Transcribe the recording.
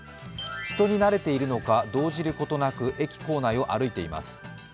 人に慣れているのか、動じることなく駅構内を歩いています。